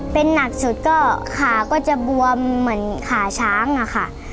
เป็นหนักสุดก็ขาก็จะบวมเหมือนขาช้างอะค่ะ